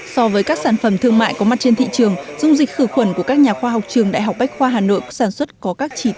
so với các sản phẩm thương mại có mặt trên thị trường dung dịch khử khuẩn của các nhà khoa học trường đại học bách khoa hà nội sản xuất có các chỉ tiêu